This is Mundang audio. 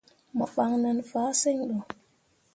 Mo ɓan nen fahsǝŋ ɗo.